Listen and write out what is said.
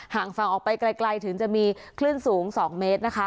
ห่างฟังออกไปไกลถึงจะมีขึ้นสูง๒เมตร